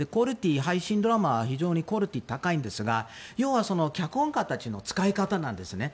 配信ドラマ、非常にクオリティーが高いんですが要は脚本家たちの使い方なんですね。